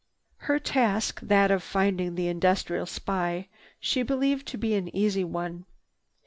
Her task, that of finding the industrial spy, she believed to be an easy one.